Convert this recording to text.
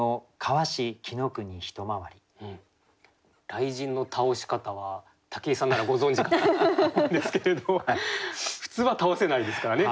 雷神の倒し方は武井さんならご存じかと思うんですけれど普通は倒せないですからね。